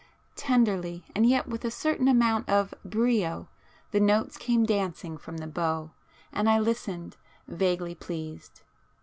Tenderly and yet with a certain amount of brio the notes came dancing from the bow, and I listened, vaguely pleased.